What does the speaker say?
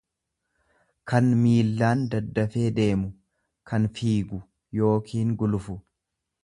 kan miillaan daddafee deemu, kan fiigu yookiin gulufu.